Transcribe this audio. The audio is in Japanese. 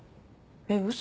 えっ嘘？